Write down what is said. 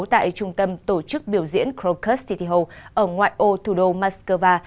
tại trung tâm tổ chức biểu diễn kronkert city hall ở ngoại ô thủ đô moskova